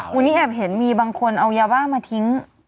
วันนี้แอบเห็นมีบางคนเอายาบ้ามาทิ้ง